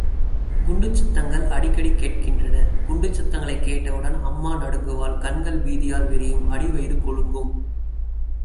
குண்டுச் சத்தங்கள் அடிக்கடி கேட்கின்றன. குண்டுச் சத்தங்களைக் கேட்டவுடன் அம்மா நடுங்குவாள். கண்கள் பீதியால் விரியும். அடிவயிறு குலுங்கும்.